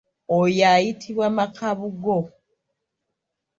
Oyo ayitibwa makaabugo.